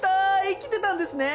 生きてたんですね。